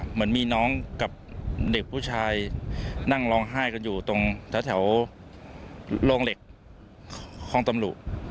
เหมือนมีน้องกับเด็กผู้ชายนั่งร้องไห้กันอยู่ตรงแถวโรงเหล็กห้องตำรุ